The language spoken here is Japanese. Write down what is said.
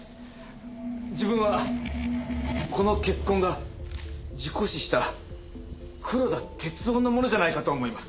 自分はこの血痕が事故死した黒田哲生のものじゃないかと思います。